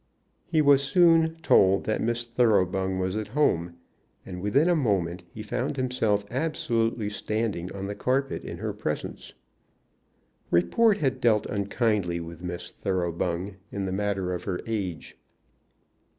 He was soon told that Miss Thoroughbung was at home, and within a moment he found himself absolutely standing on the carpet in her presence. Report had dealt unkindly with Miss Thoroughbung in the matter of her age.